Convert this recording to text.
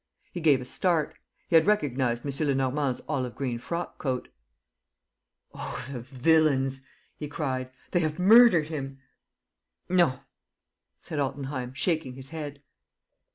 ... He gave a start. He had recognized M. Lenormand's olive green frock coat. "Oh, the villains!" he cried. "They have murdered him!" "No," said Altenheim, shaking his head.